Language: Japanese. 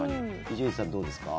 伊集院さんどうですか？